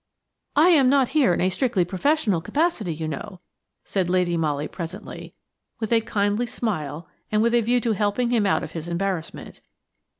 "I am not here in a strictly professional capacity, you know," said Lady Molly presently, with a kindly smile and with a view to helping him out of his embarrassment.